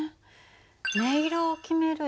音色を決める